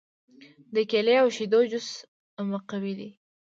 د کیلې او شیدو جوس مقوي دی.